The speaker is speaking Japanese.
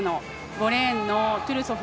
５レーンのトゥルソフ。